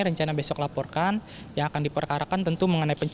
rencana besok laporkan yang akan diperkarakan tentu mengenai